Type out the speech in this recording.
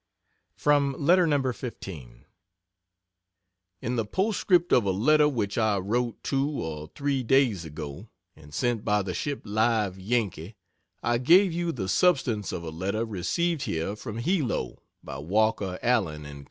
From letter No. 15: In the postscript of a letter which I wrote two or three days ago, and sent by the ship "Live Yankee," I gave you the substance of a letter received here from Hilo, by Walker Allen and Co.